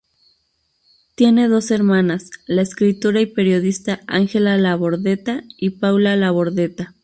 Tiene dos hermanas, la escritora y periodista Ángela Labordeta y Paula Labordeta.